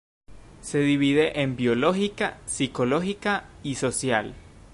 Se divide en Biológica, Psicológica y Social.